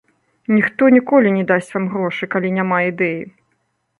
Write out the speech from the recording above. Ніхто ніколі не дасць вам грошы, калі няма ідэі.